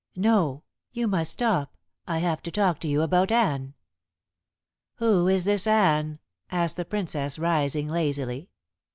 "No. You must stop. I have to talk to you about Anne." "Who is this Anne?" asked the Princess, rising lazily.